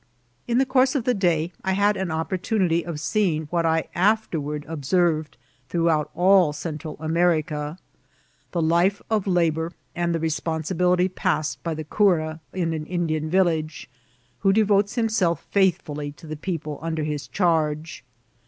In the course of the day I had an opportunity of see ing what I afterward observed throughout all Centsal America : the life of labour and responsibility passed Hj the cura in an Indian village, who devotes himself fisitiiftilly to the people und«r his diarge.